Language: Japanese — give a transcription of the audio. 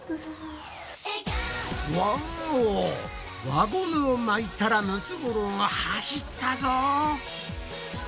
輪ゴムを巻いたらムツゴロウが走ったぞ！